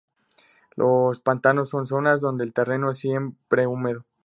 Los pantanos son zonas donde el terreno es siempre húmedo.